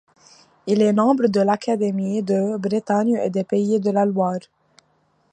Il est membre de l'Académie de Bretagne et des Pays de la Loire.